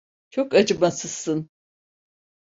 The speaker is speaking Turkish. Çok acımasızsın.